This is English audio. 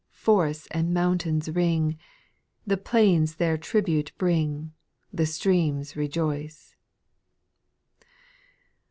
Forests and mountains ring, The plains their tribute bring, The streams rejoice.